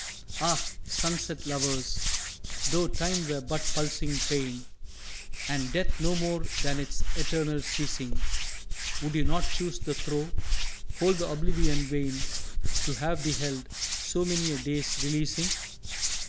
Ah, sunset lovers, though Time were but pulsing pain, And death no more than its eternal ceasing, Would you not choose the throe, Hold the oblivion vain, To have beheld so many a day's releasing?